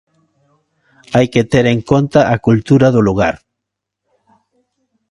Hai que ter en conta a cultura do lugar.